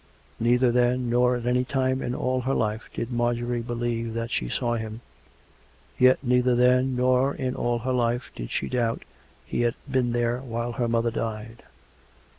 Neither then nor at any time in all her life did Mar jorie believe that she saw him; yet neither then nor in all her life did she doubt he had been there while her mother died.